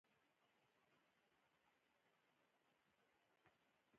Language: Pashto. افغان لوبغاړي د نړۍ په مختلفو برخو کې ویاړ جوړوي.